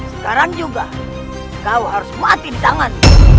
sekarang juga kau harus mati di tangan